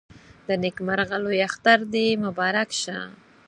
د نيکمرغه لوی اختر دې مبارک شه